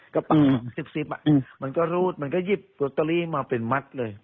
กระเป๋าซิบมันก็รูดมันก็หยิบลอตเตอรี่มาเป็นมัดเลย